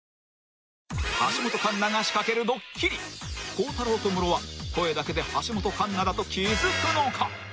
［孝太郎とムロは声だけで橋本環奈だと気付くのか］